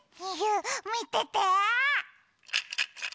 みてて！